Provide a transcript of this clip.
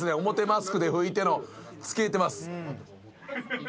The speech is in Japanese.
表マスクで拭いてのつけてます。